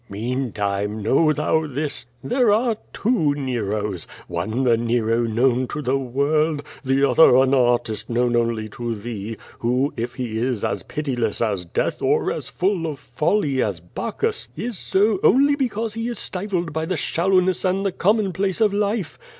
Mean time, know thou this, there are two Neros, one the Nero known to the world, the other an artist known only to thee, who if he is as pitiless as death or as full of folly as Bacchus, is so only because he is stifled by the shallowness and the commonplace of life.